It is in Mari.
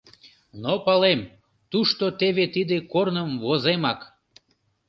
Но палем, тушто теве тиде корным воземак: